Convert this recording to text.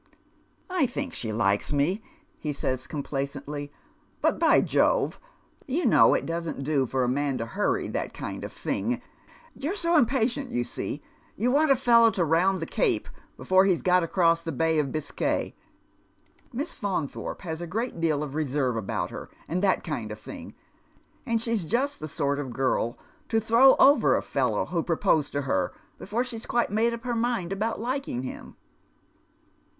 " 1 think she likes me," he says complacently, " but, by Jovo, yon know it doesn't do for a man tu hurry that kmd of tJiijf • Making Ready for Victory. 85 Von're bo inipaliont, you see, you want a fellow to ronnd the Cape be lure lie'a got across tlie Bay of Biscay. Miss Faunthorpe has a good deal of reeervo about her and that kind of thing, and she's just the sort of girl to throw over a fellow who proposed to her before she'd quite made up her mind about lildng him."